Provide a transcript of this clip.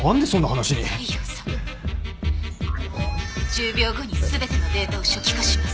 １０秒後に全てのデータを初期化します。